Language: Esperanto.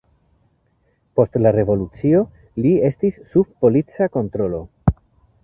Post la Revolucio li estis sub polica kontrolo.